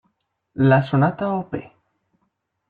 La Sonata Op.